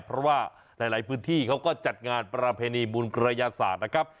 เพราะว่าหลายพื้นที่เขาก็จัดงานประเพณีบุญกระยาศาสตร์นะครับ